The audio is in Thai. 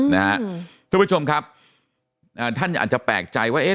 ท่านผู้ชมครับอ่าท่านอาจจะแปลกใจว่าเอ๊ะ